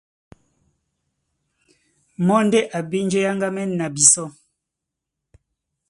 Mɔ́ ndé a bí njé é áŋgámɛ́n na bisɔ́.